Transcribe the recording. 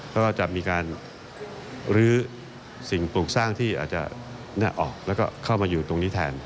แล้วก็จะมีการลื้อสิ่งปลูกสร้างที่อาจจะออกแล้วก็เข้ามาอยู่ตรงนี้แทน